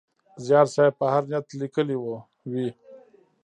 زیار صېب په هر نیت لیکلی وي.